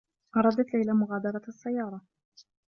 أرادت ليلى مغادرة السيارة